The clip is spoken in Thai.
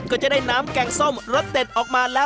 ก็จะได้น้ำแกงส้มรสเด็ดออกมาแล้ว